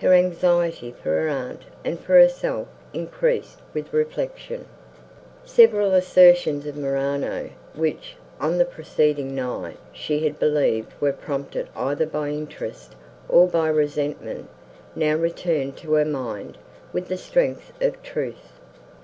Her anxiety for her aunt and for herself increased with reflection. Several assertions of Morano, which, on the preceding night, she had believed were prompted either by interest, or by resentment, now returned to her mind with the strength of truth.